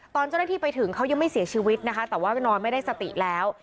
ตอนเจ้าหน้าที่ไปถึงเขายังไม่เสียชีวิตนะคะแต่ว่านอนไม่ได้สติแล้ว